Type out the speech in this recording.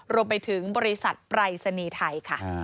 รวมไปถึงบริษัทไปร์ไซนีไทยค่ะ